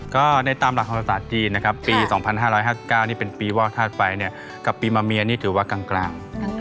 ก็ในตามหลักภาษาจีนนะครับปี๒๕๕๙นี่เป็นปีว่าถ้าไปเนี่ยกับปีมะเมียนี่ถือว่ากลาง